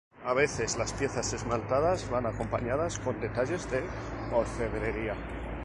A veces las piezas esmaltadas van acompañadas con detalles de orfebrería.